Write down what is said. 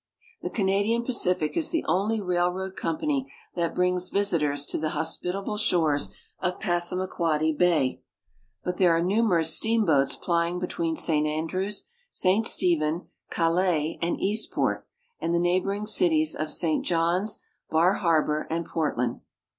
The Canadian Pacific is the only railroad company that brings visitors to the hospitable shores of Passamaquoddy bay, but there are numerous steamboats plying between St Andrews, St Ste phen, Calais, and Kasti)ortand the neighboring cities of St Johns, 2 18 ALL AROUND THE BAY OF I'ASSAMAQUODDY Bar Harbor, and Portland.